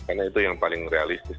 karena itu yang paling realistis